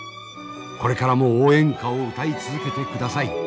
これからも応援歌を歌い続けてください。